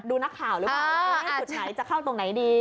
ดูนักข่าวหรือเปล่าจุดไหนจะเข้าตรงไหนดี